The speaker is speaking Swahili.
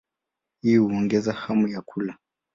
Huongeza hamu ya kula.